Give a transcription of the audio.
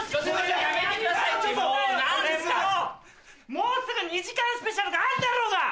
もうすぐ２時間スペシャルがあんだろうが！